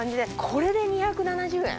これで２７０円？